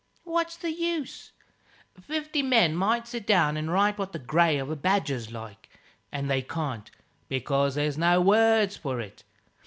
What's the use? Fifty men might sit down and write what the grey of a badger's like; and they can't, because there's no words for it.